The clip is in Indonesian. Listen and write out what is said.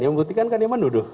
yang membuktikan kan dia menuduh